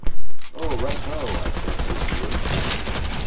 "Oh, right ho," I said hastily.